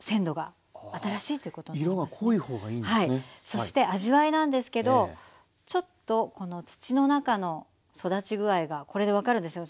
そして味わいなんですけどちょっとこの土の中の育ち具合がこれで分かるんですよ。